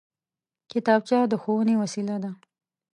کتابچه د ښوونې وسېله ده